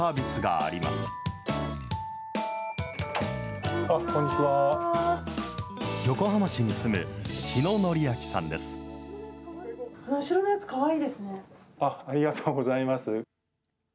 ありがとうございます。